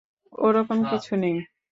ওরকম কিছু নেই।